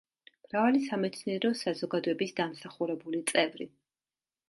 მრავალი სამეცნიერო საზოგადოების დამსახურებული წევრი.